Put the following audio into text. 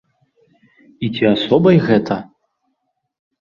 І ці асобай гэта?